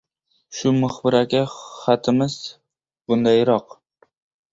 — Shu, muxbir aka, xatimiz bundayroq.